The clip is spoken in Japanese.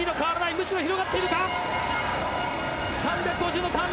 むしろ広がっている、ターン。